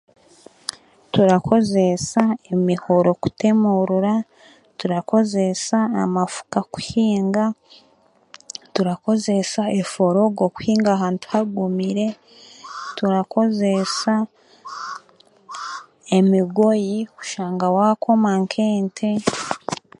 Turakozeesa emihoro kuteemurura, turakozesa amafuka kuhinga, turakozeesa eforogo kuhinga ahantu hagumire, turakozasa emigoyi kushanga waakoma nk'ente